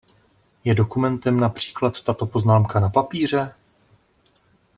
Je dokumentem například tato poznámka na papíře?